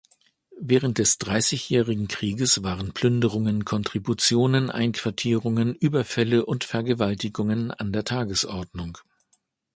Während des Dreißigjährigen Krieges waren Plünderungen, Kontributionen, Einquartierungen, Überfälle und Vergewaltigungen an der Tagesordnung.